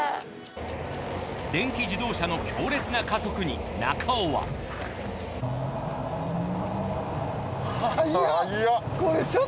電気自動車の強烈な加速に中尾は速っ！